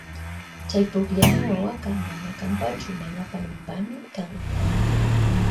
Chay pukllana wawaka mana kanpachu panipami kan.